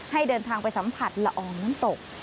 ให้เดินทางไปสัมผัสละอองน้ำตก